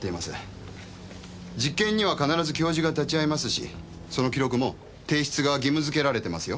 実験には必ず教授が立ち会いますしその記録も提出が義務づけられてますよ。